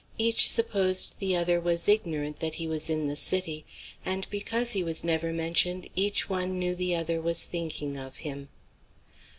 Each supposed the other was ignorant that he was in the city, and because he was never mentioned each one knew the other was thinking of him.